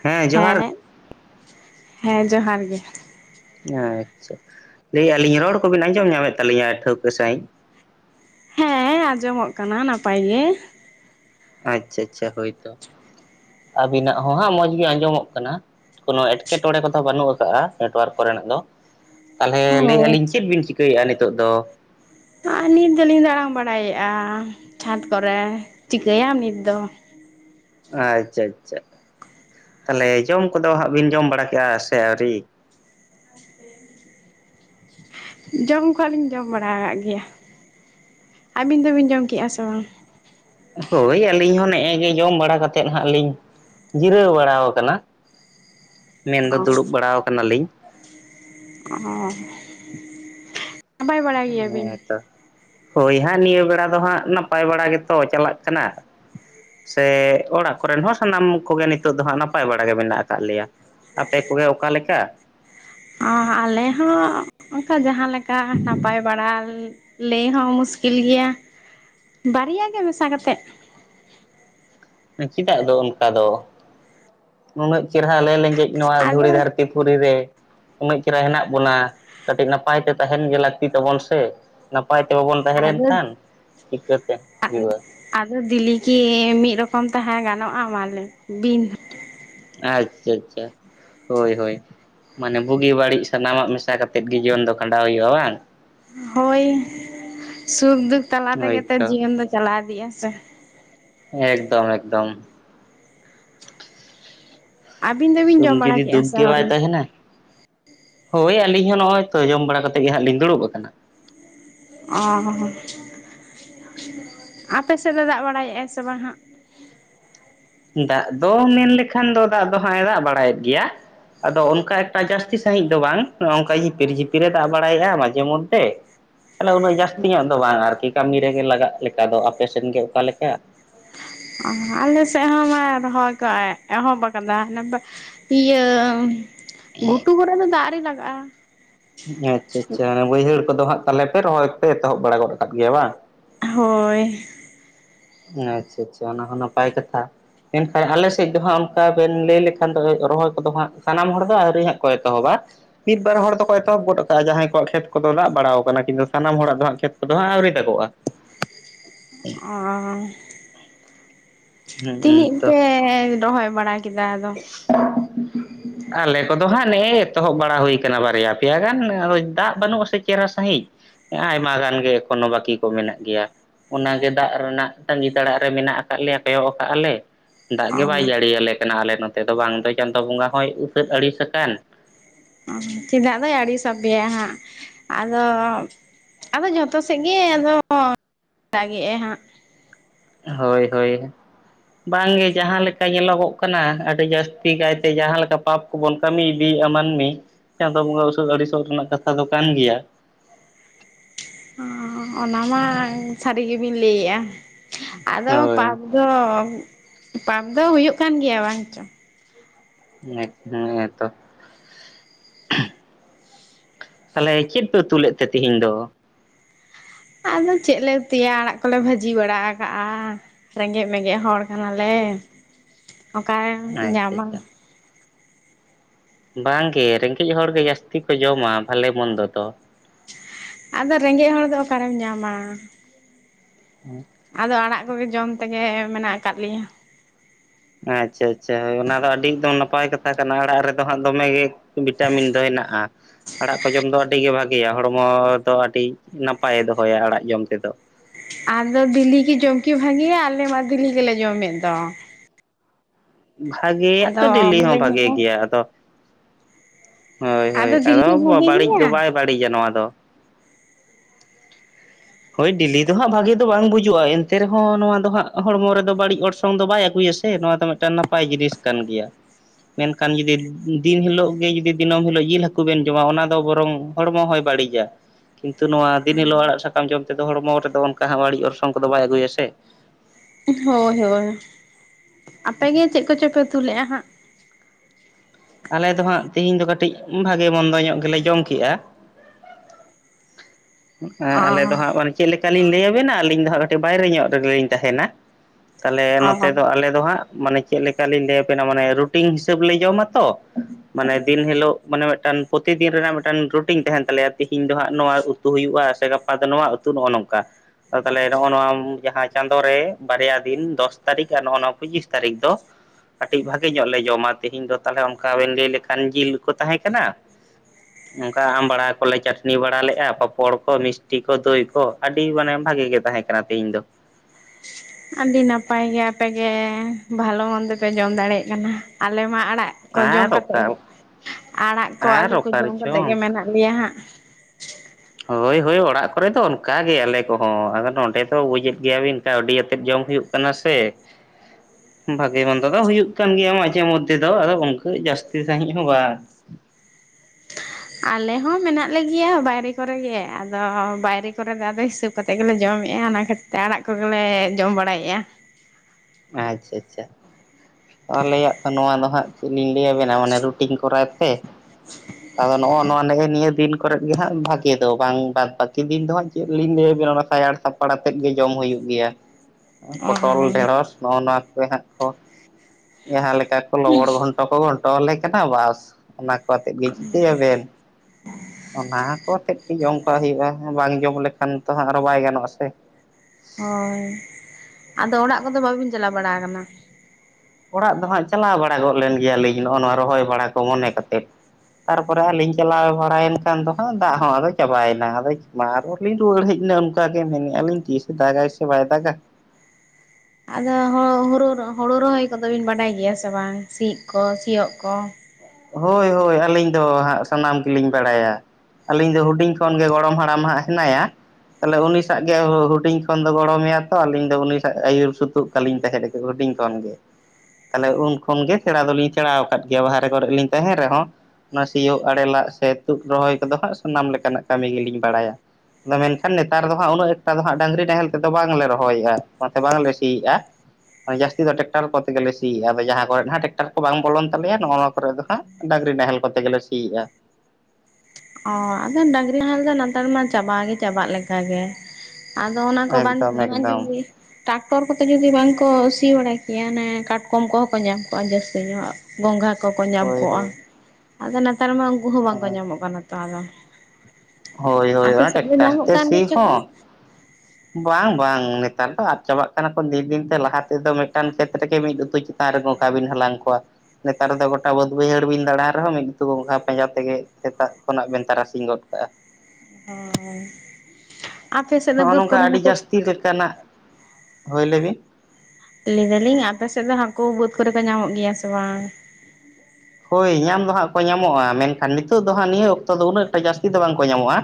ᱦᱮᱸ ᱡᱚᱦᱟᱨ ᱜᱮ, ᱦᱮᱸᱦᱮᱸ ᱦᱮᱸ ᱡᱚᱦᱟᱨ ᱜᱮ ᱾ ᱟᱪᱪᱷᱟ ᱞᱮᱭ ᱟᱹᱞᱤᱧ ᱨᱚᱲ ᱠᱚᱵᱤᱱ ᱟᱸᱡᱚᱢ ᱧᱟᱢᱮᱫ ᱛᱟᱹᱞᱤᱧᱟ ᱴᱷᱟᱹᱣᱠᱟᱹ ᱥᱟᱹᱦᱤᱡ? ᱦᱮᱸ ᱟᱸᱡᱚᱢᱚᱜ ᱠᱟᱱᱟ ᱱᱟᱯᱟᱭ ᱜᱮ ᱾ ᱟᱪᱪᱷᱟ ᱟᱪᱪᱷᱟ ᱦᱳᱭᱛᱚ ᱟᱹᱵᱤᱱᱟᱜ ᱦᱚᱸ ᱦᱟᱸᱜ ᱢᱚᱸᱡᱽ ᱜᱮ ᱟᱸᱡᱚᱢᱚᱜ ᱠᱟᱱᱟ ᱾ ᱠᱳᱱᱳ ᱮᱴᱠᱮᱴᱚᱬᱮ ᱠᱚᱫᱚ ᱵᱟᱹᱱᱩᱜ ᱟᱠᱟᱜᱼᱟ ᱱᱮᱴᱚᱣᱟᱨᱠ ᱠᱚᱨᱮᱱᱟᱜ ᱫᱚ ᱾ ᱛᱟᱞᱦᱮ ᱞᱮᱭ ᱦᱳᱭ ᱟᱹᱞᱤᱧ ᱪᱮᱜ ᱵᱤᱱ ᱪᱤᱠᱟᱹᱭᱮᱜᱼᱟ ᱱᱤᱛᱚᱜ ᱫᱚ? ᱟᱨ ᱱᱤᱛ ᱫᱚᱞᱤᱧ ᱫᱟᱬᱟ ᱵᱟᱲᱟᱭᱮᱜᱼᱟ ᱪᱷᱟᱸᱫᱽ ᱠᱚᱨᱮ ᱪᱤᱠᱟᱹᱭᱟᱢ ᱱᱤᱛ ᱫᱚ ᱾ ᱟᱪᱪᱷᱟ ᱟᱪᱪᱷᱟ ᱛᱟᱞᱦᱮ ᱡᱚᱢ ᱠᱚᱫᱚ ᱦᱟᱸᱜ ᱵᱤᱱ ᱡᱚᱢ ᱵᱟᱲᱟ ᱠᱮᱜᱼᱟ ᱥᱮ ᱟᱹᱣᱨᱤ? ᱡᱚᱢ ᱠᱷᱚ ᱞᱤᱧ ᱡᱚᱢ ᱵᱟᱲᱟ ᱠᱟᱜ ᱜᱮᱭᱟ ᱟᱹᱵᱤᱱ ᱫᱚᱵᱤᱱ ᱡᱚᱢ ᱠᱮᱫᱼᱟ ᱥᱮ ᱵᱟᱝ? ᱦᱳᱭ ᱟᱹᱞᱤᱧ ᱦᱚᱸ ᱱᱮᱜᱼᱮ ᱜᱮ ᱡᱚᱢ ᱵᱟᱲᱟ ᱠᱟᱛᱮᱫ ᱦᱟᱸᱜ ᱞᱤᱧ ᱡᱤᱨᱟᱹᱣ ᱵᱟᱲᱟᱣ ᱠᱟᱱᱟ ᱾ ᱢᱮᱱᱫᱚ ᱫᱩᱲᱩᱵ ᱵᱟᱲᱟᱣ ᱠᱟᱱᱟᱞᱤᱧ ᱾ [unintelligible] ᱵᱟᱲᱟ ᱜᱮᱭᱟᱵᱤᱱ ᱦᱮᱸ ᱛᱚ ᱾ ᱦᱳᱭ ᱦᱟᱸᱜ ᱱᱤᱭᱟᱹ ᱵᱮᱲᱟ ᱫᱚ ᱦᱟᱸᱜ ᱱᱟᱯᱟᱭ ᱵᱟᱲᱟ ᱜᱮᱛᱚ ᱪᱟᱞᱟᱜ ᱠᱟᱱᱟ ᱾ ᱥᱮ ᱚᱲᱟᱜ ᱠᱚᱨᱮᱱ ᱦᱚᱸ ᱥᱟᱱᱟᱢ ᱠᱚᱜᱮ ᱱᱤᱛᱚᱜ ᱫᱚ ᱦᱟᱸᱜ ᱱᱟᱯᱟᱭ ᱵᱟᱲᱟ ᱜᱮ ᱢᱮᱱᱟᱜ ᱟᱠᱟᱜ ᱞᱮᱭᱟ ᱾ ᱟᱯᱮ ᱠᱚᱜᱮ ᱚᱠᱟ ᱞᱮᱠᱟ? ᱚ ᱟᱞᱮ ᱦᱚᱸ ᱚᱱᱠᱟ ᱡᱟᱦᱟᱸ ᱞᱮᱠᱟ ᱱᱟᱯᱟᱭ ᱵᱟᱲᱟᱞ ᱞᱟᱹᱭ ᱦᱚᱸ ᱢᱩᱥᱠᱤᱞ ᱜᱮᱭᱟ᱾ ᱵᱟᱨᱭᱟ ᱜᱮ ᱢᱮᱥᱟ ᱠᱟᱛᱮᱜ, ᱪᱮᱫᱟᱜ ᱫᱚ ᱚᱱᱠᱟ ᱫᱚ ᱱᱩᱱᱟᱹᱜ ᱪᱮᱨᱦᱟ ᱞᱮ ᱞᱮᱸᱜᱮᱡ ᱱᱚᱣᱟ ᱟᱫᱚ ᱫᱷᱩᱲᱤ ᱫᱷᱟᱹᱨ ᱛᱤ ᱯᱩᱨᱤ ᱨᱮ, ᱩᱱᱟᱹᱜ ᱪᱮᱨᱦᱟ ᱦᱮᱱᱟᱜ ᱵᱚᱱᱟ ᱠᱟᱹᱴᱤᱡ ᱱᱟᱯᱟᱭ ᱛᱮ ᱛᱟᱦᱮᱱ ᱜᱮ ᱞᱟᱹᱠᱛᱤ ᱛᱟᱵᱚᱱ ᱥᱮ ᱱᱟᱯᱟᱭ ᱛᱮ ᱵᱟᱵᱚᱱ ᱛᱟᱦᱮᱸ ᱞᱮᱱ ᱟᱫᱚ ᱠᱷᱟᱱ ᱪᱤᱠᱟᱹᱛᱮ ᱦᱩᱭᱩᱜᱼᱟ᱾ ᱟᱫᱚ ᱫᱤᱠᱩ ᱠᱤ ᱢᱤᱫ ᱨᱚᱠᱚᱢ ᱛᱟᱦᱮᱸ ᱜᱟᱱᱚᱜᱼᱟ ᱢᱟ ᱞᱟᱹᱭ ᱵᱤᱱ, ᱟᱪᱪᱷᱟ ᱟᱪᱪᱷᱟ, ᱦᱳᱭ ᱦᱳᱭ᱾ ᱢᱟᱱᱮ ᱵᱩᱜᱤ ᱵᱟᱹᱲᱤᱡ ᱥᱟᱱᱟᱢᱟᱜ ᱢᱮᱥᱟ ᱠᱟᱛᱮᱜ ᱜᱮ ᱡᱤᱭᱚᱱ ᱫᱚ ᱠᱷᱟᱸᱰᱟᱣ ᱦᱩᱭᱩᱜᱼᱟ ᱵᱟᱝ ᱾ ᱦᱳᱭ ᱥᱩᱠ ᱫᱩᱠ ᱛᱟᱞᱟ ᱛᱮᱜᱮ ᱛᱚ ᱦᱳᱭᱛᱚ ᱡᱤᱭᱚᱱ ᱫᱚ ᱪᱟᱠᱟᱣ ᱤᱫᱤᱜᱼᱟ ᱥᱮ, ᱮᱠᱫᱚᱢ ᱮᱠᱫᱚᱢ ᱾ ᱟᱹᱵᱤᱱ ᱫᱚᱵᱤᱱ ᱥᱩᱠ ᱡᱚᱢ ᱵᱟᱲᱟ ᱡᱩᱫᱤ ᱠᱮᱜᱼᱟ ᱫᱩᱜ ᱥᱮ ᱜᱮ ᱵᱟᱭ ᱟᱹᱣᱨᱤ? ᱛᱟᱦᱮᱸᱱᱟ᱾ ᱦᱳᱭ ᱟᱹᱞᱤᱧ ᱦᱚᱸ ᱱᱚᱜᱼᱚᱭ ᱛᱚ ᱡᱚᱢ ᱵᱟᱲᱟ ᱠᱟᱛᱮᱜ ᱜᱮ ᱦᱟᱸᱜ ᱞᱤᱧ ᱫᱩᱲᱩᱵ ᱟᱠᱟᱱᱟ᱾ ᱚ [inaudible] ᱟᱯᱮ ᱥᱮᱫ ᱫᱚ ᱫᱟᱜ ᱵᱟᱲᱟᱭᱮᱫᱼᱟᱭ ᱥᱮ ᱵᱟᱝ ᱦᱟᱸᱜ? ᱫᱟᱜ ᱫᱚ ᱢᱮᱱ ᱞᱮᱠᱷᱟᱱ ᱫᱚ ᱫᱟᱜ ᱫᱚ ᱦᱟᱸᱜ ᱮ ᱫᱟᱜ ᱵᱟᱲᱟᱭᱮᱫ ᱜᱮᱭᱟ᱾ ᱟᱫᱚ ᱚᱱᱠᱟ ᱮᱠᱴᱟ ᱡᱟᱹᱥᱛᱤ ᱥᱟᱹᱦᱤᱡ ᱫᱚ ᱵᱟᱝ ᱱᱚᱝᱠᱟ ᱡᱷᱤᱯᱤᱨ ᱡᱷᱤᱯᱤᱨᱮ ᱫᱟᱜ ᱵᱟᱲᱟᱭᱮᱫᱼᱟ ᱢᱟᱡᱷᱮ ᱢᱚᱫᱫᱷᱮ ᱛᱟᱦᱚᱞᱮ ᱩᱱᱟᱹᱜ ᱡᱟᱹᱥᱛᱤ ᱧᱚᱜ ᱫᱚ ᱵᱟᱝ ᱟᱨᱠᱤ ᱠᱟᱹᱢᱤ ᱨᱮᱜᱮ ᱞᱟᱜᱟᱜ ᱞᱮᱠᱟ ᱫᱚ, ᱟᱯᱮ ᱥᱮᱱ ᱜᱮ ᱚᱠᱟ ᱞᱮᱠᱟ? ᱚ ᱟᱞᱮ ᱥᱮᱫ ᱦᱚᱸ ᱢᱟᱭ ᱨᱚᱦᱚᱭ ᱠᱚ ᱮᱦᱚᱵ ᱟᱠᱟᱫᱟ᱾ ᱤᱭᱟᱹ ᱜᱷᱩᱴᱩ ᱠᱚᱨᱮ ᱫᱚ ᱫᱟᱜ ᱟᱣᱨᱤ ᱞᱟᱜᱟᱜᱼᱟ᱾ ᱟᱪᱪᱷᱟ ᱟᱪᱪᱷᱟ ᱵᱟᱹᱭᱦᱟᱹᱲ ᱠᱚᱫᱚ ᱦᱟᱸᱜ ᱛᱟᱦᱚᱞᱮ ᱨᱚᱦᱚᱭ ᱯᱮ ᱮᱛᱚᱦᱚᱵ ᱵᱟᱲᱟ ᱜᱚᱫ ᱟᱠᱟᱫᱟᱜ ᱜᱮᱭᱟ ᱵᱟᱝ? ᱦᱳᱭ᱾ ᱟᱪᱪᱷᱟ ᱟᱪᱪᱷᱟ ᱚᱱᱟ ᱦᱚᱸ ᱱᱟᱯᱟᱭ ᱠᱟᱛᱷᱟ᱾ ᱢᱮᱱᱠᱷᱟᱱ ᱟᱞᱮ ᱥᱮᱫ ᱫᱚ ᱦᱟᱸᱜ ᱚᱱᱠᱟ ᱵᱮᱱ ᱞᱟᱹᱭ ᱞᱮᱠᱷᱟᱱ ᱫᱚ ᱨᱚᱦᱚᱭ ᱠᱚᱫᱚ ᱦᱟᱸᱜ ᱥᱟᱱᱟᱢ ᱦᱚᱲ ᱫᱚ ᱟᱹᱣᱨᱤ ᱦᱟᱸᱜ ᱠᱚ ᱮᱛᱚᱦᱚᱵᱟ᱾ ᱢᱤᱫ ᱵᱟᱨ ᱦᱚᱲ ᱫᱚᱠᱚ ᱮᱛᱚᱦᱚᱵ ᱜᱚᱫ ᱟᱠᱟᱫᱟ ᱡᱟᱦᱟᱸᱭ ᱠᱚᱣᱟᱜ ᱠᱷᱮᱛ ᱠᱚᱫᱚ ᱫᱟᱜ ᱵᱟᱲᱟᱣ ᱠᱟᱱᱟ ᱠᱤᱱᱛᱩ ᱥᱟᱱᱟᱢ ᱦᱚᱲᱟᱜ ᱫᱚ ᱦᱟᱸᱜ ᱠᱷᱮᱛ ᱠᱚᱫᱚ ᱦᱟᱸᱜ ᱟᱹᱣᱨᱤ ᱫᱟᱜᱚᱜᱼᱟ᱾ ᱚ ᱦᱩᱸ ᱛᱤᱱᱤᱜ ᱛᱚ ᱯᱮ ᱨᱚᱦᱚᱭ ᱵᱟᱲᱟ ᱠᱮᱫᱟ ᱟᱫᱚ? [inaudible] ᱟᱞᱮ ᱠᱚᱫᱚ ᱦᱟᱸᱜ ᱱᱮᱜᱼᱮ ᱮᱛᱚᱦᱚᱵ ᱵᱟᱲᱟ ᱦᱩᱭ ᱠᱟᱱᱟ ᱵᱟᱨᱭᱟ ᱯᱮᱭᱟ ᱜᱟᱱ ᱫᱟᱜ ᱵᱟᱹᱱᱩᱜ ᱟᱥᱮ ᱪᱮᱦᱨᱟ ᱥᱟᱹᱦᱤᱡ, ᱟᱭᱢᱟ ᱜᱟᱱ ᱜᱮ ᱮᱠᱷᱚᱱᱚ ᱵᱟᱹᱠᱤ ᱠᱚ ᱢᱮᱱᱟᱜ ᱜᱮᱭᱟ᱾ ᱚᱱᱟᱜᱮ ᱫᱟᱜ ᱨᱮᱱᱟᱜ ᱛᱟᱺᱜᱤ ᱛᱟᱲᱟᱜ ᱨᱮ ᱢᱮᱱᱟᱜ ᱟᱠᱟᱫ ᱞᱮᱭᱟ ᱠᱚᱭᱚᱜ ᱟᱠᱟᱫ ᱞᱮ ᱫᱟᱜ ᱚ ᱜᱮ ᱵᱟᱭ ᱡᱟᱹᱲᱤᱭ ᱟᱞᱮ ᱠᱟᱱᱟ ᱟᱞᱮ ᱱᱚᱛᱮ ᱫᱚ ᱵᱟᱝ ᱫᱚ ᱪᱟᱸᱫᱚ ᱵᱚᱸᱜᱟ ᱦᱚᱸᱭ ᱩᱥᱟᱹᱫ ᱟᱹᱰᱤᱥ ᱟᱠᱟᱱ᱾ ᱪᱮᱫᱟᱜ ᱫᱚᱭ ᱟᱹᱲᱤᱥ ᱟᱯᱮᱭᱟ ᱦᱟᱸᱜ ᱟᱫᱚ ᱟᱫᱚ ᱡᱚᱛᱚ ᱥᱮᱫ ᱜᱮ ᱟᱫᱚ ᱫᱟᱜ ᱮᱜᱟᱭ ᱦᱟᱸᱜ ᱦᱳᱭ ᱦᱳᱭ᱾ ᱵᱟᱝᱜᱮ ᱡᱟᱦᱟᱸ ᱞᱮᱠᱟ ᱧᱮᱞᱚᱜᱚᱜ ᱠᱟᱱᱟ ᱟᱹᱰᱤ ᱡᱟᱹᱥᱛᱤ ᱠᱟᱭᱛᱮ ᱡᱟᱦᱟᱸ ᱞᱮᱠᱟ ᱯᱟᱯ ᱠᱚᱵᱚᱱ ᱠᱟᱹᱢᱤ ᱤᱫᱤᱭᱮᱫᱼᱟ ᱢᱟᱹᱱᱢᱤ ᱪᱟᱸᱫᱚ ᱵᱚᱸᱜᱟ ᱩᱥᱟᱹᱫ ᱟᱹᱲᱤᱥᱚᱜ ᱨᱮᱱᱟᱜ ᱠᱟᱛᱷᱟ ᱫᱚ ᱠᱟᱱ ᱜᱮᱭᱟ᱾ ᱚᱱᱟ ᱢᱟ ᱥᱟᱹᱨᱤ ᱜᱮᱵᱤᱱ ᱞᱟᱹᱭᱮᱜᱼᱟ᱾ ᱟᱫᱚ ᱦᱳᱭ ᱯᱟᱯ ᱟᱫᱚ ᱯᱟᱯ ᱫᱚ ᱦᱩᱭᱩᱜ ᱠᱟᱱ ᱜᱮᱭᱟ ᱵᱟᱝ ᱪᱚ, ᱦᱮᱸ ᱛᱚ᱾ ᱛᱟᱦᱚᱞᱮ ᱪᱮᱫ ᱯᱮ ᱩᱛᱩ ᱞᱮᱫ ᱛᱮ ᱛᱮᱦᱮᱧ ᱫᱚ? ᱟᱫᱚ ᱪᱮᱫ ᱞᱮ ᱩᱛᱩᱭᱟ ᱟᱲᱟᱜ ᱠᱚᱞᱮ ᱵᱷᱟᱹᱡᱤ ᱵᱟᱲᱟ ᱠᱟᱜᱼᱟ᱾ ᱨᱮᱸᱜᱮᱡ ᱨᱮᱸᱜᱮᱡ ᱦᱚᱲ ᱠᱟᱱᱟᱞᱮ ᱚᱠᱟ ᱨᱮᱢ ᱟᱪᱪᱷᱟ ᱧᱟᱢᱟ᱾ ᱵᱟᱝ ᱜᱮ ᱨᱮᱸᱜᱮᱡ ᱦᱚᱲ ᱜᱮ ᱡᱟᱹᱥᱛᱤ ᱠᱚ ᱡᱚᱢᱟ ᱵᱷᱟᱞᱮ ᱢᱚᱱᱫᱚ ᱫᱚ᱾ ᱟᱫᱚ ᱨᱮᱸᱜᱮᱡ ᱦᱚᱲ ᱫᱚ ᱚᱠᱟᱨᱮᱢ ᱧᱟᱢᱟ? ᱦᱮᱸ᱾ ᱟᱫᱚ ᱟᱲᱟᱜ ᱠᱚᱜᱮ ᱡᱚᱢ ᱛᱮᱜᱮ ᱢᱮᱱᱟᱜ ᱟᱠᱟᱫ ᱞᱮᱭᱟ᱾ ᱟᱪᱪᱷᱟ ᱟᱪᱪᱷᱟ ᱦᱳᱭ, ᱚᱱᱟ ᱫᱚ ᱟᱹᱰᱤ ᱮᱠᱫᱚᱢ ᱱᱟᱯᱟᱭ ᱠᱟᱛᱷᱟ ᱠᱟᱱᱟ ᱟᱨ ᱟᱲᱟᱜ ᱨᱮᱫᱚ ᱦᱟᱸᱜ ᱫᱚᱢᱮ ᱜᱮ ᱵᱷᱤᱴᱟᱢᱤᱱ ᱫᱚ ᱦᱮᱱᱟᱜ-ᱟ᱾ ᱟᱲᱟᱜ ᱠᱚ ᱡᱚᱢ ᱫᱚ ᱟᱹᱰᱤᱜᱮ ᱵᱷᱟᱜᱮᱭᱟ ᱦᱚᱲᱢᱚ ᱫᱚ ᱟᱹᱰᱤ ᱱᱟᱯᱟᱭᱮ ᱫᱚᱦᱚᱭᱟ ᱟᱲᱟᱜ ᱡᱚᱢ ᱛᱮᱫᱚ᱾ ᱟᱫᱚ ᱵᱤᱞᱤ ᱜᱮ ᱡᱚᱢ ᱠᱤ ᱵᱷᱟᱜᱮᱤᱭᱟ ᱟᱞᱮ ᱢᱟ ᱵᱤᱞᱤ ᱜᱮᱞᱮ ᱡᱚᱢᱮᱫ ᱫᱚ᱾ ᱵᱷᱟᱜᱮᱭᱟᱜ ᱛᱚ ᱟᱫᱚ ᱰᱮᱞᱤ ᱦᱚᱸ ᱵᱷᱟᱜᱮ ᱢᱮᱱᱮᱫᱼᱟ ᱜᱮᱭᱟ᱾ ᱟᱫᱚ ᱦᱳᱭ ᱦᱳᱭ ᱟᱫᱚ ᱫᱤᱞᱤ ᱵᱷᱟᱜᱮ ᱵᱟᱹᱲᱤᱡ ᱫᱚ ᱜᱮᱭᱟ ᱵᱟᱭ ᱵᱟᱹᱲᱤᱡ-ᱟ ᱱᱚᱣᱟ ᱫᱚ᱾ ᱦᱳᱭ ᱰᱮᱞᱤ ᱫᱚ ᱦᱟᱸᱜ ᱵᱷᱟᱜᱤ ᱫᱚ ᱵᱟᱝ ᱵᱩᱡᱩᱜ-ᱟ ᱮᱱᱛᱮ ᱨᱮᱦᱚᱸ ᱱᱚᱣᱟ ᱫᱚ ᱦᱟᱸᱜ ᱦᱚᱲᱢᱚ ᱨᱮᱫᱚ ᱵᱟᱹᱲᱤᱡ ᱚᱲᱥ ᱚᱝ ᱫᱚ ᱵᱟᱭ ᱟᱹᱜᱩᱭᱟᱥᱮ ᱱᱚᱣᱟ ᱫᱚ ᱢᱤᱫᱴᱟᱝ ᱱᱟᱯᱟᱭ ᱡᱤᱱᱤᱥ ᱠᱟᱱ ᱜᱮᱭᱟ᱾ ᱢᱮᱱᱠᱷᱟᱱ ᱡᱩᱫᱤ ᱫᱤᱱ ᱦᱤᱞᱳᱜ ᱜᱮ ᱡᱩᱫᱤ ᱫᱤᱹᱢ ᱦᱤᱞᱳᱜ ᱡᱤᱞ ᱦᱟᱹᱠᱩ ᱵᱮᱱ ᱡᱚᱢᱟ ᱚᱱᱟ ᱫᱚ ᱵᱚᱨᱚᱝ ᱦᱚᱲᱢᱚ ᱦᱚᱸᱭ ᱵᱟᱹᱲᱤᱡᱟ ᱠᱤᱱᱛᱩ ᱱᱚᱣᱟ ᱫᱤᱱ ᱦᱤᱞᱳᱜ ᱟᱲᱟᱜ ᱥᱟᱠ ᱥᱟᱠᱟᱢ ᱡᱚᱢ ᱛᱮᱫᱚ ᱦᱚᱲᱢᱚ ᱨᱮᱫᱚ ᱚᱱᱠᱟ ᱵᱟᱲᱤᱡ ᱚᱨᱥᱚᱝ ᱠᱚᱫᱚ ᱵᱟᱭ ᱟᱹᱜᱩᱭᱟ ᱥᱮ᱾ ᱦᱳᱭ ᱦᱳᱭ, ᱟᱯᱮ ᱜᱮ ᱪᱮᱫ ᱠᱚᱪᱚᱯᱮ ᱩᱛᱩ ᱞᱮᱜ-ᱟ ᱦᱟᱸᱜ? ᱟᱞᱮ ᱫᱚ ᱦᱟᱸᱜ ᱛᱤᱦᱤᱧ ᱫᱚ ᱠᱟᱹᱴᱤᱡ ᱵᱷᱟᱜᱮ ᱢᱚᱱᱫᱚ ᱧᱚᱜ ᱜᱮᱞᱮ ᱡᱚᱢ ᱠᱮᱜ-ᱟᱺ ᱟᱞᱮ ᱫᱚ ᱦᱟᱸᱜ ᱢᱟᱱᱮ ᱪᱮᱫ ᱞᱮᱠᱟ ᱞᱤᱧ ᱞᱟᱹᱭᱟᱵᱮᱱᱟ ᱟᱹᱞᱤᱧ ᱫᱚ ᱦᱟᱸᱜ ᱠᱟᱹᱴᱤᱡ ᱵᱟᱭᱨᱮ ᱧᱚᱜ ᱨᱮᱜᱞᱤᱧ ᱛᱟᱸᱦᱮᱱᱟ᱾ ᱛᱟᱦᱞᱮ ᱚ ᱱᱚᱛᱮ ᱚ ᱫᱚ ᱟᱞᱮ ᱫᱚ ᱦᱟᱸᱜ ᱢᱟᱱᱮ ᱪᱮᱫ ᱞᱮᱠᱟ ᱞᱤᱧ ᱞᱟᱹᱭᱟᱵᱮᱱᱟ ᱢᱟᱱᱮ ᱨᱩᱴᱤᱱ ᱦᱤᱥᱟᱹᱵᱽ ᱞᱮ ᱡᱚᱢᱟ ᱛᱚ᱾ ᱢᱟᱱᱮ ᱫᱤᱱ ᱦᱤᱞᱳᱜ ᱢᱟᱱᱮ ᱢᱤᱫᱴᱟᱝ ᱯᱨᱚᱛᱤᱫᱤᱱ ᱨᱮᱱᱟᱜ ᱢᱤᱫᱴᱟᱝ ᱨᱩᱴᱤᱱ ᱛᱟᱸᱦᱮᱱ ᱛᱟᱞᱮᱭᱟ ᱛᱤᱦᱤᱧ ᱫᱚ ᱦᱟᱸᱜ ᱱᱚᱣᱟ ᱩᱛᱩ ᱦᱩᱭᱩᱜ-ᱟ ᱥᱮ ᱜᱟᱯᱟ ᱫᱚ ᱱᱚᱣᱟ ᱩᱛᱩ ᱱᱚᱜ-ᱚ ᱱᱚᱝᱠᱟ᱾ ᱟᱫᱚ ᱛᱟᱦᱞᱮ ᱱᱚᱜ-ᱚ ᱱᱚᱣᱟ ᱡᱟᱦᱟᱸ ᱪᱟᱸᱫᱚ ᱨᱮ ᱵᱟᱨᱭᱟ ᱫᱤᱱ ᱫᱚᱥ ᱛᱟᱹᱨᱤᱠᱷ ᱟᱨ ᱱᱚᱜ-ᱚ ᱱᱚᱣᱟ ᱯᱚᱸᱪᱤᱥ ᱛᱟᱹᱨᱤᱠᱷ ᱫᱚ ᱠᱟᱹᱴᱤᱡ ᱵᱷᱟᱜᱮ ᱧᱚᱜ ᱞᱮ ᱡᱚᱢᱟ ᱛᱮᱤᱦᱤᱧ ᱫᱚ ᱛᱟᱦᱞᱮ ᱚᱱᱠᱟ ᱵᱮᱱ ᱞᱟᱹᱭ ᱞᱮᱠᱷᱟᱱ ᱡᱤᱞ ᱠᱚ ᱛᱟᱦᱮᱸ ᱠᱟᱱᱟ᱾ ᱚᱱᱠᱟ ᱟᱢᱵᱲᱟ ᱠᱚᱞᱮ ᱪᱟᱹᱴᱱᱤ ᱵᱟᱲᱟ ᱞᱮᱜ-ᱟ, ᱯᱟᱯ ᱯᱟᱯᱚᱲ ᱠᱚ, ᱢᱤᱥᱴᱤ ᱠᱚ, ᱫᱳᱭ ᱠᱚ, ᱟᱹᱰᱤ ᱢᱟᱱᱮ ᱵᱷᱟᱜᱮ ᱜᱮ ᱛᱟᱦᱮᱸ ᱠᱟᱱᱟ ᱛᱮᱦᱮᱧ ᱫᱚ᱾ ᱟᱹᱰᱤ ᱱᱟᱯᱟᱭ ᱜᱮ ᱟᱯᱮᱜᱮ ᱵᱷᱟᱞᱚ ᱢᱚᱱᱫᱚ ᱯᱮ ᱡᱚᱢ ᱫᱟᱲᱮᱭᱟᱜ ᱠᱟᱱᱟ᱾ ᱟᱞᱮ ᱢᱟ ᱟᱲᱟᱜ ᱠᱚ ᱡᱚᱢ ᱟᱨ ᱠᱟᱛᱮᱫ ᱚᱠᱟ ᱜᱮ, ᱟᱲᱟᱜ ᱠᱚ ᱟᱨ ᱟᱹᱞᱩ ᱠᱚ ᱚᱠᱟ ᱡᱚᱢ ᱠᱟᱛᱮᱫ ᱨᱮᱪᱚᱝ ᱜᱮ ᱢᱮᱱᱟᱜ ᱞᱮᱭᱟ ᱦᱟᱸᱜ᱾ ᱦᱳᱭ ᱦᱳᱭ ᱚᱲᱟᱜ ᱠᱚᱨᱮ ᱫᱚ ᱚᱱᱠᱟ ᱜᱮ ᱟᱞᱮ ᱠᱚᱦᱚᱸ ᱟᱫᱚ ᱱᱚᱸᱰᱮ ᱫᱚ ᱵᱩᱡᱮᱫ ᱜᱮᱭᱟᱵᱤᱱ ᱠᱟᱣᱰᱤᱭᱟᱛᱮᱫ ᱡᱚᱢ ᱦᱩᱭᱩᱜ ᱠᱟᱱᱟ ᱥᱮ᱾ ᱵᱷᱟᱜᱮ ᱢᱚᱱᱫᱚ ᱫᱚ ᱦᱩᱭᱩᱜ ᱠᱟᱱ ᱜᱮᱭᱟ ᱢᱟᱡᱷᱮ ᱢᱚᱫᱽᱫᱷᱮ ᱫᱚ ᱟᱫᱚ ᱚᱱᱠᱟ ᱡᱟᱹᱥᱛᱤ ᱥᱟᱦᱤᱡ ᱦᱚᱸ ᱵᱟᱝ᱾ ᱟᱞᱮ ᱦᱚᱸ ᱢᱮᱱᱟᱜ ᱞᱮᱜᱮᱭᱟ ᱵᱟᱭᱨᱮ ᱠᱚᱨᱮᱜᱮ, ᱟᱫᱚ ᱵᱟᱭᱨᱮ ᱠᱚᱨᱮ ᱫᱚ ᱟᱫᱚ ᱦᱤᱥᱟᱹᱵᱽ ᱠᱟᱛᱮ ᱜᱮᱞᱮ ᱡᱚᱢᱮᱜ-ᱟ ᱚᱱᱟ ᱠᱷᱟᱹᱛᱤᱨ ᱛᱮ ᱟᱲᱟᱜ ᱠᱚᱜᱮᱞᱮ ᱡᱚᱢ ᱵᱟᱲᱟᱭᱮᱜ-ᱟ᱾ ᱟᱪᱪᱷᱟ ᱟᱪᱪᱷᱟ, ᱟᱞᱮᱭᱟᱜ ᱛᱚ ᱱᱚᱜ-ᱚᱭ ᱱᱚᱣᱟ ᱦᱟᱸᱜ ᱪᱮᱫ ᱞᱤᱧ ᱞᱟᱹᱭ ᱟᱵᱮᱱᱟ ᱢᱟᱱᱮ ᱨᱩᱴᱤᱱ ᱠᱚᱨᱟᱣ ᱛᱮ ᱟᱫᱚ ᱱᱚᱜ-ᱚ ᱱᱚᱣᱟ ᱱᱮᱜ ᱱᱤᱭᱟᱹ ᱫᱤᱱ ᱠᱚᱨᱮᱫ ᱜᱮ ᱦᱟᱸᱜ ᱵᱷᱟᱜᱤ ᱫᱚ, ᱵᱟᱝ ᱵᱟᱫ ᱵᱟᱠᱤ ᱫᱤᱱ ᱫᱚ ᱦᱟᱸᱜ ᱪᱮᱫ ᱞᱤᱧ ᱞᱟᱹᱭᱟᱵᱮᱱᱟ ᱚᱱᱟ ᱥᱟᱭᱟᱲ ᱥᱟᱯᱟᱲ ᱟᱛᱮᱫ ᱜᱮ ᱡᱚᱢ ᱦᱩᱭᱩᱜ ᱜᱮᱭᱟ᱾ ᱚ ᱯᱚᱴᱚᱞ ᱰᱷᱮᱸᱲᱚᱥ ᱱᱚᱜ-ᱚ ᱱᱚᱣᱟ ᱠᱚᱜᱮ ᱦᱟᱸᱜ ᱠᱚ ᱡᱟᱦᱟᱸᱞᱮᱠᱟ ᱞᱚᱵᱚᱲ ᱜᱷᱚᱱᱴᱚ ᱠᱚ ᱜᱷᱚᱱᱴᱚᱣᱟᱞᱮ ᱠᱟᱱᱟ ᱵᱟᱥ ᱚᱱᱟ ᱠᱚ ᱟᱛᱮᱫ ᱜᱮ ᱪᱤᱠᱟᱹᱭᱟᱵᱮᱱ? ᱚᱱᱟ ᱠᱚ ᱟᱛᱮᱫ ᱜᱮ ᱡᱚᱢ ᱠᱟᱜ ᱦᱩᱭᱩᱜ-ᱟ, ᱵᱟᱝ ᱡᱚᱢ ᱞᱮᱠᱷᱟᱱ ᱛᱚ ᱦᱟᱸᱜ ᱟᱨᱚ ᱵᱟᱭ ᱜᱟᱱᱚᱜ-ᱟ ᱥᱮ᱾ ᱦᱮᱸᱻ ᱟᱫᱚ ᱚᱲᱟᱜ ᱠᱚᱫᱚ ᱵᱟᱵᱤᱱ ᱪᱟᱞᱟᱣ ᱵᱟᱲᱟ ᱠᱟᱱᱟ? ᱚᱲᱟᱜ ᱫᱚ ᱦᱟᱸᱜ ᱪᱟᱞᱟᱣ ᱵᱟᱲᱟ ᱜᱚᱫ ᱞᱮᱱ ᱜᱮᱭᱟᱞᱤᱧ ᱱᱚᱜ-ᱚ ᱱᱚᱣᱟ ᱨᱚᱦᱚᱭ ᱵᱟᱲᱟ ᱠᱚ ᱢᱚᱱᱮ ᱠᱟᱛᱮᱫ᱾ ᱛᱟᱨᱯᱚᱨᱮ ᱟᱞᱤᱧ ᱪᱟᱞᱟᱣ ᱵᱟᱲᱟᱭᱮᱱ ᱠᱷᱟᱱ ᱫᱚ ᱦᱟᱸᱜ ᱫᱟᱜ ᱦᱚᱸ ᱟᱫᱚ ᱪᱟᱵᱟᱭᱮᱱᱟ ᱟᱫᱚ ᱢᱟᱨ ᱚᱨ ᱟᱹᱞᱤᱧ ᱨᱩᱭᱟᱹᱲ ᱦᱮᱡᱱᱟ ᱚᱱᱠᱟ ᱜᱮ, ᱢᱮᱱᱮᱜ-ᱟ ᱞᱤᱧ ᱛᱤᱥᱮ ᱫᱟᱜᱟᱭ ᱥᱮ ᱵᱟᱭ ᱫᱟᱜᱟ᱾ ᱟᱫᱚ ᱦᱚᱸ, ᱦᱩᱲᱩ, ᱦᱩᱲᱩ ᱨᱚᱦᱚᱭ ᱠᱚᱫᱚ ᱵᱤᱱ ᱵᱟᱰᱟᱭ ᱜᱮᱭᱟ ᱥᱮ ᱵᱟᱝ ᱥᱤᱜ ᱠᱚ ᱥᱤᱭᱳᱜ ᱠᱚ? ᱦᱚᱭ ᱦᱚᱭ ᱟᱹᱞᱤᱧ ᱫᱚ ᱦᱟᱸᱜ ᱥᱟᱱᱟᱢ ᱜᱮᱞᱤᱧ ᱵᱟᱲᱟᱭᱟ᱾ ᱟᱹᱞᱤᱧ ᱫᱚ ᱦᱩᱰᱤᱧ ᱠᱷᱚᱱᱜᱮ ᱜᱚᱲᱚᱢ ᱦᱟᱲᱟᱢ ᱦᱟᱸᱜ ᱦᱮᱱᱟᱭᱟ᱾ ᱛᱟᱦᱞᱮ ᱩᱱᱤ ᱥᱟᱜ ᱜᱮ ᱦᱩᱰᱤᱧ ᱠᱷᱚᱱ ᱫᱚ ᱜᱚᱲᱚᱢᱮᱭᱟ ᱛᱚ ᱟᱞᱤᱧ ᱫᱚ ᱩᱱᱤ ᱥᱟᱜ ᱟᱹᱭᱩᱨ ᱥᱩᱛᱩᱜ᱾ ᱠᱟᱞᱤᱧ ᱛᱟᱦᱮᱸᱫ ᱦᱩᱰᱤᱧ ᱠᱷᱚᱱ ᱜᱮ, ᱛᱟᱦᱮᱞᱮ ᱩᱱ ᱠᱷᱚᱱ ᱜᱮ ᱥᱮᱬᱟ ᱫᱚᱞᱤᱧ ᱥᱮᱬᱟ ᱣᱟᱠᱟᱫ ᱜᱮᱭᱟ ᱵᱟᱦᱟᱨ ᱮ ᱠᱚᱨᱮ ᱞᱤᱧ ᱛᱟᱦᱮᱸᱱ ᱨᱮᱦᱚᱸ ᱚᱱᱟ ᱥᱤᱭᱳᱜ ᱟᱲᱮᱞᱟᱜ ᱥᱮ ᱛᱩᱫ ᱨᱚᱦᱚᱭ ᱠᱚᱫᱚ ᱦᱟᱸᱜ ᱥᱟᱱᱟᱢ ᱞᱮᱠᱟᱱᱟᱜ ᱠᱟᱹᱢᱤ ᱜᱮᱞᱤᱧ ᱵᱟᱲᱟᱭᱟ᱾ ᱟᱫᱚ ᱢᱮᱱᱠᱷᱟᱱ ᱱᱮᱛᱟᱨ ᱫᱚ ᱦᱟᱸᱜ ᱩᱱᱟᱹᱜ ᱮᱠᱴᱟ ᱫᱚ ᱦᱟᱸᱜ ᱰᱟᱝᱜᱨᱤ ᱱᱟᱦᱮᱞ ᱛᱮᱫᱚ ᱵᱟᱝᱞᱮ ᱨᱚᱦᱚᱭᱮᱜ-ᱟ ᱚᱱᱟᱛᱮ ᱵᱟᱝᱞᱮ ᱥᱤᱭᱮᱜ-ᱟ᱾ ᱢᱟᱱᱮ ᱡᱟᱹᱥᱛᱤ ᱫᱚ ᱴᱮᱠᱴᱟᱨ ᱠᱚᱛᱮ ᱜᱮᱞᱮ ᱥᱤᱭᱮᱜ-ᱟ ᱟᱫᱚ ᱡᱟᱦᱟᱸ ᱠᱚᱨᱮᱫ ᱦᱟᱸᱜ ᱴᱮᱠᱴᱟᱨ ᱠᱚ ᱵᱟᱝ ᱵᱚᱞᱚᱱ ᱛᱟᱞᱮᱭᱟ ᱱᱚᱣᱟ ᱠᱚᱨᱮᱜ ᱫᱚ ᱦᱟᱸᱜ ᱰᱟᱝᱜᱨᱤ ᱱᱟᱦᱮᱞ ᱠᱚᱛᱮ ᱜᱮᱞᱮ ᱥᱤᱭᱮᱜ-ᱟ᱾ ᱚᱸ ᱟᱫᱚ ᱰᱟᱝᱜᱨᱤ ᱱᱟᱦᱮᱞ ᱫᱚ ᱱᱮᱛᱟᱨ ᱢᱟ ᱪᱟᱵᱟ ᱜᱮ ᱪᱟᱵᱟᱜ ᱞᱮᱠᱟ ᱜᱮ᱾ ᱟᱫᱚ ᱚᱱᱟ ᱠᱚ ᱵᱟᱱ ᱮᱠᱫᱚᱢ ᱵᱟᱝ ᱮᱠᱫᱚᱢ ᱡᱩᱫᱤ ᱴᱟᱠᱴᱚᱨ ᱠᱚᱛᱮ ᱡᱩᱫᱤ ᱵᱟᱝ ᱠᱚ ᱥᱤ ᱵᱟᱲᱟ ᱠᱮᱭᱟ ᱚᱱᱮ ᱠᱟᱴᱠᱚᱢ ᱠᱚᱦᱚᱸ ᱠᱚ ᱧᱟᱢ ᱠᱚᱜ-ᱟ ᱡᱟᱹᱥᱛᱤ ᱧᱚᱜ᱾ ᱜᱚᱝᱜᱷᱟ ᱠᱚᱠᱚ ᱧᱟᱢ ᱦᱳᱭ ᱠᱚᱜ-ᱟ, ᱦᱳᱭ ᱟᱫᱚ ᱱᱮᱛᱟᱨ ᱢᱟ ᱩᱱᱠᱩ ᱦᱚᱸ ᱵᱟᱝᱠᱚ ᱧᱟᱢᱚᱜ ᱠᱟᱱᱟ᱾ ᱛᱚ ᱟᱫᱚ, ᱦᱳᱭ ᱦᱳᱭ ᱟᱯᱮ ᱚᱱᱟ ᱥᱮᱫ ᱫᱚ ᱴᱮᱠᱴᱟᱨ ᱧᱟᱢᱚᱜ ᱛᱮ ᱠᱟᱱ ᱥᱤ ᱜᱮᱪᱚ ᱠᱚ? ᱦᱚᱸ ᱵᱟᱝ ᱵᱟᱝ ᱱᱮᱛᱟᱨ ᱫᱚ ᱟᱫ ᱪᱟᱵᱟᱜ ᱠᱟᱱᱟ ᱠᱚ ᱫᱤᱱ ᱫᱤᱱᱛᱮ ᱞᱟᱦᱟ ᱛᱮᱫᱚ ᱢᱤᱫᱴᱟᱱ ᱠᱷᱮᱛ ᱨᱮᱜᱮ ᱢᱤᱫ ᱩᱛᱩ ᱪᱮ ᱛᱟᱱ ᱨᱮ ᱜᱚᱝᱜᱷᱟ ᱵᱤᱱ ᱦᱟᱞᱟᱝ ᱠᱚᱣᱟ᱾ ᱱᱮᱛᱟᱨ ᱫᱚ ᱜᱚᱴᱟ ᱵᱟᱹᱫᱽ ᱵᱟᱹᱭᱦᱟᱹᱲ ᱵᱤᱱ ᱫᱟᱬᱟᱱ ᱨᱮᱦᱚᱸ ᱢᱤᱫ ᱩᱛᱩ ᱜᱚᱝᱜᱷᱟ ᱯᱟᱸᱡᱟ ᱛᱮᱜᱮ ᱥᱮᱛᱟᱜ ᱠᱷᱚᱱᱟᱜ ᱵᱮᱱ ᱛᱟᱨᱟᱥᱤᱧ ᱜᱚᱫ ᱠᱟᱜ-ᱟ᱾ [inaudible] ᱦᱳᱭ, ᱟᱯᱮ ᱥᱮᱫ ᱫᱚ ᱵᱟᱹᱫᱽ ᱠᱚᱨᱮ ᱦᱟᱹᱠᱩ ᱛᱤ ᱞᱮᱠᱟᱱᱟᱜ, ᱦᱳᱭ ᱞᱟᱹᱭ ᱵᱤᱱ᱾ ᱞᱟᱹᱭᱫᱟ ᱞᱤᱧ ᱟᱯᱮ ᱥᱮᱫ ᱫᱚ ᱦᱟᱹᱠᱩ ᱵᱟᱹᱫᱽ ᱠᱚᱨᱮ ᱠᱚ ᱧᱟᱢᱚᱜ ᱜᱮᱭᱟ ᱥᱮ ᱵᱟᱝ? ᱦᱳᱭ ᱧᱟᱢ ᱫᱚ ᱦᱟᱸᱜ ᱠᱚ ᱧᱟᱢᱚᱜ-ᱟ ᱢᱮᱱᱠᱷᱟᱱ ᱱᱤᱛᱚᱜ ᱫᱚ ᱦᱟᱸᱜ ᱱᱤᱭᱟᱹ ᱚᱠᱛᱚ ᱫᱚ ᱩᱱᱟᱹᱜ ᱮᱠᱴᱟ ᱡᱟᱹᱥᱛᱤ ᱫᱚ ᱵᱟᱝᱠᱚ ᱧᱟᱢᱚᱜ-ᱟ᱾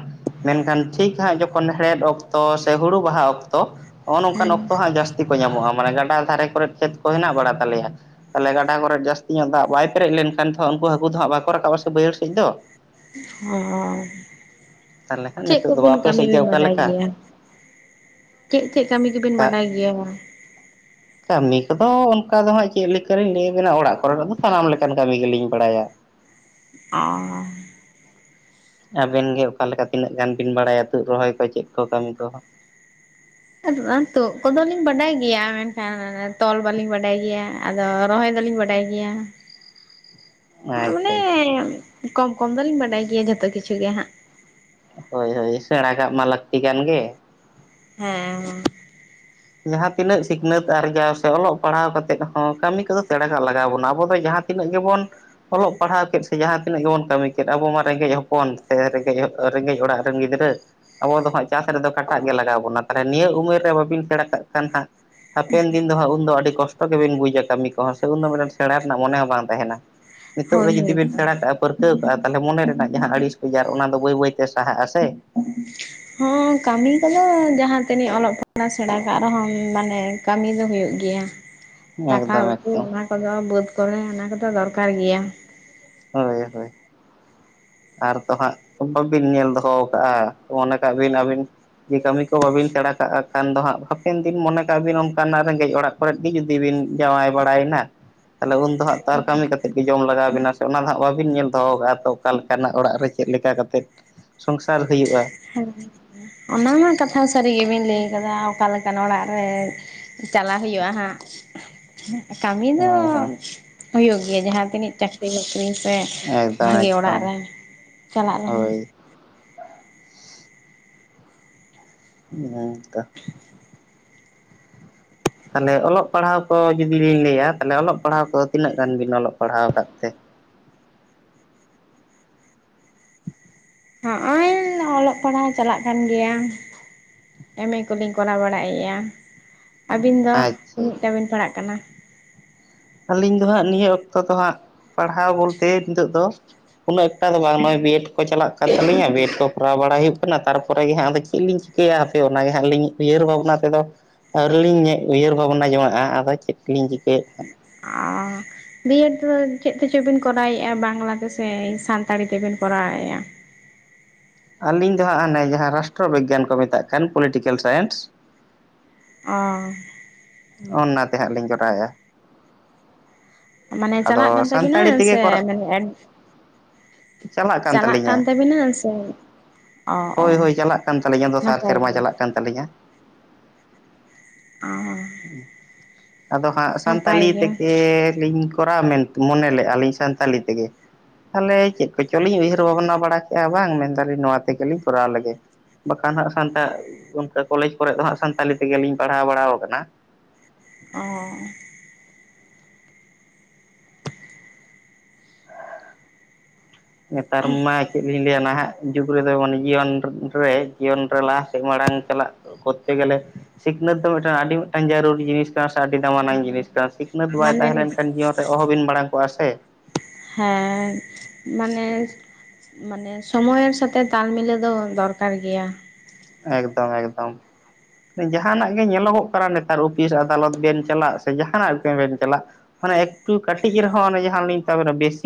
ᱢᱮᱱᱠᱷᱟᱱ ᱴᱷᱤᱠ ᱦᱟᱸᱜ ᱡᱚᱠᱷᱚᱱ ᱦᱮᱲᱦᱮᱫ ᱚᱠᱛᱚ ᱥᱮ ᱦᱩᱲᱩ ᱵᱟᱦᱟ ᱚᱠᱛᱚ ᱦᱚᱸᱜᱼᱚ ᱱᱚᱝᱠᱟᱱ ᱦᱮᱸ ᱚᱠᱛᱚ ᱦᱟᱸᱜ ᱡᱟᱹᱥ ᱛᱤ ᱠᱚ ᱧᱟᱢᱚᱜ-ᱟ ᱢᱟᱱᱮ ᱜᱟᱰᱟ ᱫᱷᱟᱨᱮ ᱠᱚᱨᱮᱫ ᱠᱷᱮᱛ ᱠᱚ ᱦᱮᱱᱟᱜ ᱵᱟᱲᱟ ᱛᱟᱞᱮᱭᱟ ᱛᱟᱦᱚᱞᱮ ᱜᱟᱰᱟ ᱠᱚᱨᱮ ᱡᱟᱹᱥᱛᱤ ᱧᱚᱜ ᱫᱟᱜ ᱵᱟᱭ ᱯᱮᱨᱮᱡ ᱞᱮᱱᱠᱷᱟᱱ ᱛᱷᱚ ᱩᱱᱠᱩ ᱦᱟᱹᱠᱩ ᱫᱚ ᱦᱟᱸᱜ ᱵᱟᱠᱚ ᱨᱟᱠᱟᱵ-ᱟ ᱥᱮ ᱵᱟᱹᱭᱦᱟᱹᱲ ᱥᱮᱫ ᱫᱚ᱾ ᱦᱚᱸ, ᱛᱟᱦᱚᱞᱮ ᱠᱷᱟᱱ ᱪᱮᱫ ᱱᱤᱛᱚᱜ ᱫᱚ ᱠᱚᱵᱤᱱ ᱟᱯᱮ ᱠᱟᱹᱢᱤ ᱥᱮᱫ ᱜᱮ ᱵᱤᱱ ᱚᱠᱟ ᱵᱟᱰᱟᱭ ᱞᱮᱠᱟ ᱜᱮᱭᱟ? ᱪᱮᱫ ᱪᱮᱫ ᱠᱟᱹᱢᱤ ᱠᱚᱵᱤᱱ ᱵᱟᱰᱟᱭ ᱜᱮᱭᱟ ᱵᱚᱞᱮ? ᱠᱟᱹᱢᱤ ᱠᱚᱫᱚ ᱚᱱᱠᱟ ᱫᱚ ᱦᱟᱸᱜ ᱪᱮᱫ ᱞᱮᱠᱟ ᱞᱤᱧ ᱞᱟᱹᱭ ᱟᱵᱮᱱᱟ ᱚᱲᱟᱜ ᱠᱚᱨᱮᱱᱟᱜ ᱫᱚ ᱥᱟᱱᱟᱢ ᱞᱮᱠᱟᱱ ᱠᱟᱹᱢᱤ ᱜᱮᱞᱤᱧ ᱵᱟᱲᱟᱭᱟ᱾ ᱚᱸ᱾ ᱟᱵᱮᱱ ᱜᱮ ᱚᱠᱟ ᱞᱮᱠᱟ ᱛᱤᱱᱟᱹᱜ ᱜᱟᱱ ᱵᱤᱱ ᱵᱟᱲᱟᱭᱟ ᱛᱩᱫ ᱨᱚᱦᱚᱭ ᱠᱚ ᱪᱮᱫ ᱠᱚ ᱠᱟᱹᱢᱤ ᱠᱚᱦᱚᱸ᱾ ᱟᱫᱚ ᱵᱟᱝ ᱛᱩᱫ ᱠᱚᱫᱚ ᱞᱤᱧ ᱵᱟᱰᱟᱭ ᱜᱮᱭᱟ ᱢᱮᱱᱠᱷᱟᱱ ᱚᱱᱮ ᱛᱚᱞ ᱵᱟᱞᱤᱧ ᱵᱟᱰᱟᱭ ᱜᱮᱭᱟ᱾ ᱟᱫᱚ ᱨᱚᱦᱚᱭ ᱫᱚᱞᱤᱧ ᱵᱟᱰᱟᱭ ᱜᱮᱭᱟ᱾ ᱟᱪᱪᱷᱟ ᱟᱪᱪᱷᱟ᱾ [unintelligible] ᱠᱚᱢ ᱠᱚᱢ ᱫᱚᱞᱤᱧ ᱵᱟᱰᱟᱭ ᱜᱮᱭᱟ ᱡᱚᱛᱚ ᱠᱤᱪᱷᱩ ᱜᱮ ᱦᱟᱸᱜ᱾ ᱦᱳᱭ ᱦᱳᱭ ᱥᱮᱬᱟ ᱠᱟᱜ ᱢᱟ ᱞᱟᱹᱠᱛᱤ ᱠᱟᱱ ᱜᱮ᱾ ᱦᱮᱸ ᱦᱮᱸ᱾ ᱡᱟᱦᱟᱸ ᱛᱤᱱᱟᱹᱜ ᱥᱤᱠᱷᱱᱟᱹᱛ ᱟᱨᱡᱟᱣ ᱥᱮ ᱚᱞᱚᱜ ᱯᱟᱲᱦᱟᱣ ᱠᱟᱛᱮᱫ ᱦᱚᱸ ᱠᱟᱹᱢᱤ ᱠᱚᱫᱚ ᱥᱮᱬᱟ ᱠᱟᱜ ᱞᱟᱜᱟᱣ ᱵᱚᱱᱟ ᱟᱵᱚ ᱫᱚ ᱡᱟᱦᱟᱸ ᱛᱤᱱᱟᱹᱜ ᱜᱮᱵᱚᱱ ᱚᱞᱚᱜ ᱯᱟᱲᱦᱟᱣ ᱠᱮᱫ ᱥᱮ ᱡᱟᱦᱟᱸ ᱛᱤᱱᱟᱹᱜ ᱜᱮᱵᱚᱱ ᱠᱟᱹᱢᱤ ᱠᱮᱫ ᱟᱵᱚ ᱢᱟ ᱨᱮᱸᱜᱮᱡ ᱦᱚᱯᱚᱱ ᱥᱮ ᱨᱮᱸᱜᱮᱡ ᱨᱮᱸᱜᱮᱡ ᱚᱲᱟᱜ ᱨᱮᱱ ᱜᱤᱫᱽᱨᱟᱹ᱾ ᱟᱵᱚ ᱫᱚ ᱦᱟᱸᱜ ᱪᱟᱥ ᱨᱮᱫᱚ ᱠᱟᱴᱟᱜ ᱜᱮ ᱞᱟᱜᱟᱣ ᱵᱚᱱᱟ ᱛᱚᱞᱦᱮ ᱱᱤᱭᱟᱹ ᱩᱢᱮᱨ ᱨᱮ ᱵᱟᱵᱤᱱ ᱥᱮᱬᱟ ᱠᱟᱜ ᱠᱷᱟᱱ ᱦᱟᱸᱜ ᱦᱟᱯᱮᱱ ᱫᱤᱱ ᱫᱚ ᱦᱟᱸᱜ ᱩᱱᱫᱚ ᱟᱹᱰᱤ ᱠᱚᱥ ᱢᱚ ᱜᱮᱵᱤᱱ ᱵᱩᱡᱟ ᱠᱟᱹᱢᱤ ᱠᱚᱦᱚᱸ ᱥᱮ ᱩᱱᱫᱚ ᱢᱤᱫᱴᱟᱝ ᱥᱮᱬᱟ ᱨᱮᱱᱟᱜ ᱢᱚᱱᱮ ᱦᱚᱸ ᱵᱟᱝ ᱛᱟᱦᱮᱱᱟ ᱱᱤᱛᱚᱜ ᱦᱳᱭ ᱨᱮ ᱡᱩᱫᱤ ᱦᱳᱭ ᱵᱤᱱ ᱛᱚ᱾ ᱥᱮᱬᱟ ᱠᱟᱜ-ᱟ, ᱯᱟᱹᱨᱠᱟᱹᱣ ᱠᱟᱜ-ᱟ ᱛᱟᱞᱦᱮ ᱢᱚᱱᱮ ᱨᱮᱱᱟᱜ ᱡᱟᱦᱟᱸ ᱟᱹᱲᱤᱥ ᱵᱮᱡᱟᱨ ᱚᱱᱟ ᱫᱚ ᱵᱟᱹᱭ ᱵᱟᱹᱭ ᱛᱮ ᱥᱟᱦᱟᱜ-ᱟ ᱥᱮ᱾ ᱦᱚᱸ ᱠᱟᱹᱢᱤ ᱠᱚᱫᱚ ᱡᱟᱦᱟᱸ ᱛᱤᱱᱟᱹᱜ ᱚᱞᱚᱜ ᱯᱟᱲᱦᱟᱣ ᱥᱮᱬᱟ ᱠᱟᱜ ᱨᱮᱦᱚᱸ ᱢᱟᱱᱮ ᱠᱟᱹᱢᱤ ᱫᱚ ᱦᱩᱭᱩᱜ ᱜᱮᱭᱟ᱾ ᱫᱟᱠᱟ ᱮᱠᱫᱚᱢ ᱩᱛᱩ ᱮᱠᱫᱚᱢ ᱚᱱᱟ ᱠᱚᱫᱚ ᱵᱟᱹᱫᱽ ᱠᱚᱨᱮ ᱚᱱᱟ ᱠᱚᱫᱚ ᱫᱚᱨᱠᱟᱨ ᱜᱮᱭᱟ᱾ ᱦᱳᱭ ᱦᱳᱭ᱾ ᱟᱨ ᱛᱚ ᱦᱟᱸᱜ ᱵᱟᱹᱵᱤᱱ ᱧᱮᱞ ᱫᱚᱦᱚ ᱠᱟᱜᱼᱟ, ᱢᱚᱱᱮ ᱠᱟᱜ ᱵᱤᱱ ᱟᱹᱵᱤᱱ ᱡᱮ ᱠᱟᱹᱢᱤ ᱠᱚ ᱵᱟᱟᱹᱵᱤᱱ ᱥᱮᱬᱲᱟ ᱠᱟᱜᱼᱟ ᱠᱷᱟᱱ ᱫᱚ ᱦᱟᱸᱜ ᱦᱟᱯᱮᱱ ᱫᱤᱱ ᱢᱚᱱᱮ ᱠᱟᱜᱼᱟ ᱵᱤᱱ ᱚᱱᱠᱟᱱᱟᱜ ᱨᱮᱜᱮᱡ ᱚᱲᱟᱜᱼᱼ ᱠᱚᱨᱮ ᱜᱮ ᱡᱩᱫᱤ ᱵᱤᱱ ᱡᱟᱶᱟᱭ ᱵᱟᱲᱟᱭᱮᱱᱟ ᱛᱟᱦᱚᱞᱮ ᱩᱱᱫᱚ ᱦᱟᱸᱜ ᱛᱚ ᱟᱨ ᱠᱟᱹᱢᱤ ᱠᱟᱛᱮ ᱜᱮ ᱡᱚᱢ ᱞᱟᱜᱟᱣ ᱵᱤᱱᱟᱼᱼ ᱚᱱᱟ ᱫᱚᱜ ᱵᱟᱟᱹᱵᱤᱱ ᱧᱮᱞ ᱫᱚᱦᱚ ᱠᱟᱜᱼᱟ ᱛᱚ ᱚᱠᱟ ᱞᱮᱠᱟᱱᱟᱜ ᱚᱲᱟᱜ ᱨᱮ ᱪᱮᱫ ᱞᱮᱠᱟ ᱠᱟᱛᱮᱮᱫ ᱥᱚᱝᱥᱟᱨ ᱦᱩᱭᱩᱜᱼᱟ᱾ ᱚᱱᱟ ᱢᱟ ᱠᱟᱛᱷᱟ ᱥᱟᱹᱨᱤᱜᱮᱵᱤᱱ ᱞᱟᱹᱭ ᱠᱟᱫᱟ ᱚᱠᱟᱞᱮᱠ ᱚᱲᱟᱜ ᱨᱮᱼᱼ ᱪᱟᱞᱞᱟᱟᱜ ᱦᱩᱭᱩᱜᱼᱟ ᱦᱟᱸᱜᱼᱼ ᱠᱟᱹᱢᱤ ᱫᱚ ᱦᱳᱭ ᱦᱳᱭ ᱦᱩᱭᱩᱜ ᱜᱮᱭᱟ ᱡᱟᱦᱟᱸ ᱛᱤᱱᱟᱹᱜ ᱪᱟᱹᱠᱨᱤ ᱵᱠᱨᱤᱼᱼ ᱥᱮ ᱮᱠᱫᱚᱢ ᱵᱷᱟᱜᱤ ᱚᱲᱟᱜ ᱮᱠᱫᱚᱢ ᱨᱮ ᱪᱟᱞᱟᱜ ᱨᱮᱦᱚᱸᱢ᱾ ᱦᱳᱭ ᱦᱮᱸ ᱛᱚ᱾ ᱛᱟᱦᱚᱞᱮ ᱚᱞᱚᱜ ᱯᱟᱲᱦᱟᱣ ᱠᱚ ᱡᱩᱫᱤ ᱞᱤᱧ ᱞᱟᱹᱭᱟ ᱛᱟᱦᱚᱞᱮ ᱚᱞᱚᱜ ᱯᱟᱲᱦᱟᱣ ᱠᱚᱫᱚ ᱛᱤᱱᱟᱹᱜ ᱜᱟᱱ ᱵᱤᱱ ᱚᱞᱚᱜ ᱯᱟᱲᱦᱟᱣ ᱠᱫ ᱛᱮ? ᱦᱚᱜᱼᱚᱭ ᱚᱞᱚᱜ ᱯᱟᱲᱦᱟᱣ ᱪᱟᱞᱟᱜ ᱠᱟᱱ ᱜᱮᱭᱟ᱾ ᱮᱢ ᱮ ᱠᱚᱞᱤᱧ ᱠᱚᱨᱟᱣ ᱵᱟᱲᱟᱭᱮᱫᱼᱟ ᱟᱹᱵᱤᱱ ᱫᱚ ᱟᱪᱪᱷᱟ ᱛᱤᱱᱟᱹᱜᱴᱟ ᱵᱤᱱ ᱯᱟᱲᱟᱜ ᱠᱟᱱᱟ? ᱟᱹᱞᱤᱧ ᱫᱚ ᱦᱟᱸᱜ ᱱᱤᱭᱟᱹ ᱚᱠᱛᱚ ᱫᱚ ᱦᱟᱸᱜ ᱯᱟᱲᱦᱟᱣ ᱵᱚᱞᱛᱮ ᱱᱤᱛᱚᱜ ᱫᱚᱼᱼ ᱩᱱᱟᱹᱜ ᱮᱠᱴᱟ ᱫᱚ ᱵᱟᱝ ᱱᱚᱜᱼᱚᱭ ᱵᱮᱰ ᱠᱚ ᱪᱟᱞᱟᱜ ᱠᱟᱱ ᱛᱟᱹᱞᱤᱧᱟ ᱵᱮᱰ ᱠᱚ ᱠᱚᱨᱟᱣ ᱵᱟᱲᱟᱟᱭ ᱦᱩᱭᱩᱜ ᱠᱟᱱᱟ ᱛᱟᱨᱯᱚᱨᱮ ᱜᱮ ᱦᱟᱸᱜ ᱟᱫᱚ ᱪᱮᱫᱞᱤᱤᱧᱼᱼ ᱤᱠᱭᱟ ᱦᱟᱯᱮ ᱚᱱᱟᱜᱮᱜᱞᱤᱧ ᱩᱭᱦᱟᱹᱨ ᱵᱷᱟᱵᱽᱱᱟ ᱛᱮᱫᱚᱼᱼ ᱟᱹᱣᱨᱤ ᱞᱤᱧ ᱩᱭᱦᱟᱹᱨ ᱵᱷᱟᱵᱽᱱᱟ ᱡᱚᱝᱟᱜᱼᱟ ᱟᱫᱚ ᱪᱮᱫᱞᱤᱧ ᱪᱤᱠᱟᱹᱭᱮᱫᱼᱼ ᱚᱻ ᱵᱤᱭᱮᱰ ᱫᱚ ᱪᱮᱫ ᱛᱮᱪᱚ ᱵᱤᱱ ᱠᱚᱨᱟᱣᱮᱫᱼᱟ ᱵᱟᱝᱞᱟ ᱛᱮᱥᱮ ᱥᱟᱱᱛᱟᱲᱤ ᱛᱮᱵᱤᱱ ᱠᱚᱨᱟᱣᱮᱫᱼᱟ? ᱟᱹᱞᱤᱧ ᱫᱚ ᱦᱟᱸᱜ ᱦᱟᱱᱮ ᱡᱟᱦᱟᱸ ᱨᱟᱥᱴᱨᱚ ᱵᱤᱜᱽᱜᱟᱱ ᱠᱚ ᱢᱮᱛᱟᱜ ᱠᱟᱱ ᱯᱚᱞᱤᱴᱤᱠᱮᱞ ᱥᱟᱭᱮᱱᱥ᱾ ᱚᱻ ᱚᱱᱟᱛᱮ ᱦᱟᱸᱜ ᱞᱤᱧ ᱠᱚᱨᱟᱣᱮᱫᱼᱟ᱾ ᱢᱟᱱᱮ ᱪᱟᱞᱟᱜ ᱟᱫᱚ ᱠᱟᱱ ᱛᱟᱵᱤᱱᱟ ᱥᱟᱱᱛᱟᱲᱤ ᱛᱮᱜᱮ ᱥᱮ ᱠᱚᱨᱟᱣ [unintelligible] ᱪᱟᱞᱟᱜ ᱠᱟᱱ ᱛᱟᱞᱞᱤᱧᱟ᱾ ᱚ ᱚ ᱦᱳᱭ ᱦᱳᱭ ᱪᱟᱞᱟᱜ ᱠᱟᱱ ᱛᱟᱹᱟᱞᱞᱤᱧᱟ ᱫᱚᱥᱟᱨ ᱱᱟᱯᱟᱭ ᱥᱮᱨᱢᱟ ᱜᱮ ᱪᱟᱞᱟᱜ ᱠᱟᱱ ᱛᱟᱹᱟᱞᱞᱤᱧᱟ᱾ ᱚᱻ ᱟᱫᱚ ᱥᱟᱱᱛᱟᱞᱤ ᱜᱮ ᱛᱮᱷᱮᱠ ᱞᱤᱧᱼᱼ ᱠᱚᱨᱟᱣ ᱢᱮᱱ ᱢᱚᱱᱮ ᱞᱮᱫᱼᱟᱞᱤᱧ ᱥᱟᱱᱛᱟᱞᱤ ᱛᱮ ᱜᱮ᱾ ᱛᱟᱦᱚᱞᱮ ᱪᱮᱫ ᱠᱚᱪᱚᱞᱤᱧ ᱩᱭᱦᱟᱹᱨ ᱵᱷᱟᱵᱽᱱᱟ ᱵᱟᱲᱟ ᱠᱮᱫᱮᱜᱼᱟ ᱵᱟᱝ ᱢᱮᱱᱫᱟᱞᱤᱧ ᱱᱚᱣᱟ ᱛᱮᱜᱮᱞᱤᱧ ᱠᱚᱨᱟᱣ ᱞᱮᱜᱮ᱾ ᱵᱟᱠᱷᱟᱱ ᱦᱟᱸᱜ ᱥᱟᱱᱛ ᱚᱱ ᱠᱚᱞᱮᱡᱽ ᱠᱚᱨᱮ ᱫᱚ ᱦᱟᱸᱜ ᱥᱟᱱᱛᱟᱞᱤ ᱛᱮᱜᱮᱞᱤᱧ ᱯᱟᱲᱦᱟᱣ ᱵᱟᱲᱟ ᱠᱟᱱᱟ᱾ ᱚᱻ ᱱᱮᱛᱟᱨ ᱢᱟ ᱪᱮᱫ ᱞᱤᱧ ᱞᱟᱹᱭᱟ ᱱᱟᱦᱟᱜᱼᱼ ᱡᱩᱜᱽ ᱨᱮᱫᱚ ᱢᱟᱱᱮ ᱡᱤᱭᱚᱱ ᱨᱮ ᱡᱤᱭᱚᱱ ᱨᱮ ᱞᱟᱦᱟ ᱥᱮᱫ ᱢᱟᱲᱟᱝ ᱪᱟᱞᱟᱜ ᱠᱚᱨᱛᱮ ᱜᱮᱞᱮᱼᱼ ᱥᱤᱠᱷᱱᱟᱹᱛ ᱫᱚ ᱢᱤᱫᱴ ᱟᱹᱰᱤ ᱡᱟᱨᱩᱨ ᱡᱤᱱᱤᱥᱼᱼ ᱥᱮ ᱟᱹᱰᱤ ᱫᱟᱢᱟᱱᱟᱝ ᱡᱤᱱᱤᱥ ᱠᱟᱱᱟ ᱥᱤᱠᱷᱱᱟᱹᱛ ᱵᱟᱭ ᱛᱟᱦᱮᱸ ᱢᱟᱱᱮ ᱞᱮᱱᱠᱷᱟᱱ ᱡᱤᱭᱚᱱ ᱨᱮ ᱚᱦᱚᱵᱤᱱ ᱵᱟᱲᱟᱝ ᱠᱚᱜᱼᱟ ᱥᱮ᱾ ᱦᱮᱸ ᱢᱟᱱᱮᱼᱼ ᱢᱟᱱᱮ ᱥᱚᱢᱚᱭᱮᱨ ᱥᱟᱛᱮᱜ ᱛᱟᱞ ᱢᱤᱞᱟᱹ ᱫᱚ ᱫᱚᱨᱠᱟᱨ ᱜᱮᱭᱟ᱾ ᱮᱠᱫᱚᱢ ᱮᱠᱫᱚᱢ ᱡᱟᱦᱟᱱᱟᱜ ᱜᱮ ᱧᱮᱞᱚᱜᱚᱜ ᱠᱟᱱᱟ ᱱᱮᱛᱟᱨ ᱚᱯᱷᱤᱥ ᱟᱫᱟᱞᱚᱛ ᱵᱮᱱ ᱪᱟᱞᱟᱜ ᱥᱮ ᱡᱟᱦᱟᱱᱟᱜ ᱵᱮᱱ ᱪᱟᱞᱟᱜ᱾ ᱢᱟᱱᱮ ᱮᱠᱴᱩ ᱠᱟᱹᱴᱤᱡ ᱨᱮᱦᱚᱸ ᱚᱱᱮ ᱡᱟᱦᱟᱸ ᱞᱤᱧ ᱛᱟᱵᱮᱱᱟ ᱵᱮᱥᱤᱠᱼᱼ